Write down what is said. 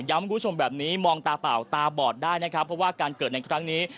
คุณผู้ชมแบบนี้มองตาเปล่าตาบอดได้นะครับเพราะว่าการเกิดในครั้งนี้